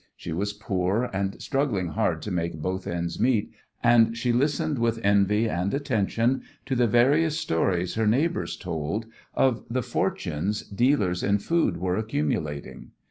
She was poor, and struggling hard to make both ends meet, and she listened with envy and attention to the various stories her neighbours told of the fortunes dealers in food were accumulating.